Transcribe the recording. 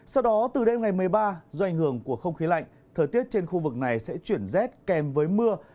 sau đó từ đêm ngày một mươi ba do ảnh hưởng của không khí lạnh thời tiết trên khu vực này sẽ chuyển rét kèm với mưa